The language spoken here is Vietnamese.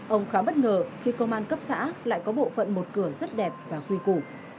ông khá bất ngờ khi công an cấp xã lại có bộ phận một cửa rất đẹp và quy củ